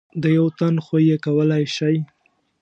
د یو تن خو یې کولای شئ .